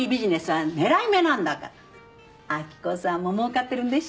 明子さんももうかってるんでしょ？